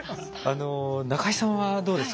あの中井さんはどうですか？